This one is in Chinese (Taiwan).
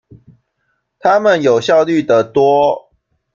他們有效率的多